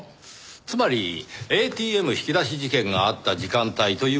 つまりＡＴＭ引き出し事件があった時間帯という事になりますねぇ。